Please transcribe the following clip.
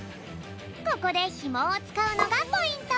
ここでひもをつかうのがポイント。